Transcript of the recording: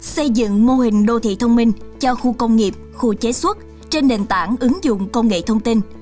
xây dựng mô hình đô thị thông minh cho khu công nghiệp khu chế xuất trên nền tảng ứng dụng công nghệ thông tin